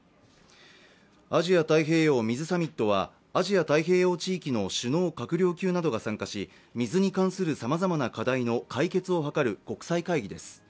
アジア太平洋水サミットは、アジア太平洋地域の首脳・閣僚級などが参加し、水に関するさまざまな課題の解決を図る国際会議です。